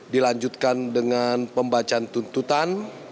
dilanjutkan dengan pembacaan tuntutan